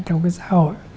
trong cái xã hội